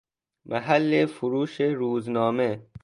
محل فروش روزنامه